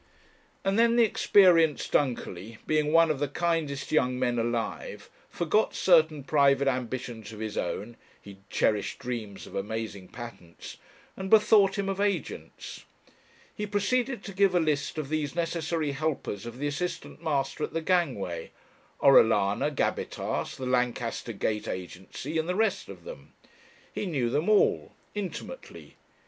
And then the experienced Dunkerley, being one of the kindest young men alive, forgot certain private ambitions of his own he cherished dreams of amazing patents and bethought him of agents. He proceeded to give a list of these necessary helpers of the assistant master at the gangway Orellana, Gabbitas, The Lancaster Gate Agency, and the rest of them. He knew them all intimately.